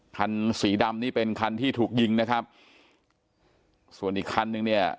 คันสีดำนี่เป็นคันที่ถูกยิงนะครับส่วนอีกคันนึงเนี่ย